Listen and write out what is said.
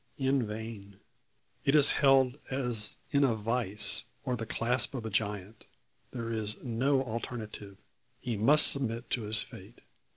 In vain. It is held as in a vice, or the clasp of a giant. There is no alternative he must submit to his fate.